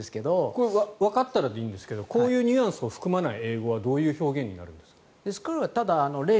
これはわかったらでいいんですがこういうニュアンスを含まない英語はどういう表現になるんですか？